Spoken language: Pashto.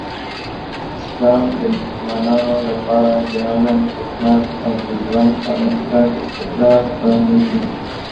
اسلام د مسلمانانو لپاره د علم، حکمت، او د ژوند پرمختګ لاره پرانیزي.